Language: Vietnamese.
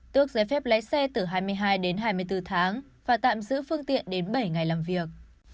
tước giấy phép lái xe từ hai mươi hai đến hai mươi bốn tháng và tạm giữ phương tiện đến bảy ngày làm việc